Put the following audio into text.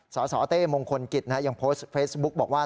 สสเต้มงคลกิจยังโพสต์เฟซบุ๊กบอกว่า